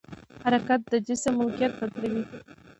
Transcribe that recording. حرکت د جسم موقعیت بدلون دی.